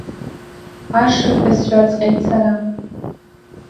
Ашырҳәа сҩаҵҟьеит сара.